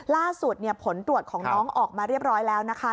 ล่าสุดผลตรวจของน้องออกมาเรียบร้อยแล้วนะคะ